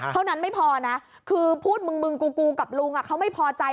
เท่านั้นไม่พอนะคือพูดมึงกูกับลุงเขาไม่พอใจ